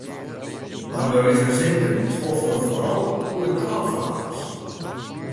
Mar de resinsinten stroffelen foaral oer de taalflaters.